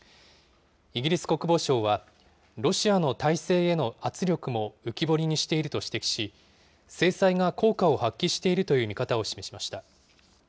イギリス国防省は、ロシアの体制への圧力も浮き彫りにしていると指摘し、制裁が効果を発揮しているという見方を示しました。